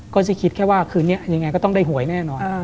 ก็จะคิดแค่ว่าคืนนี้ยังไงก็ต้องได้หวยแน่นอน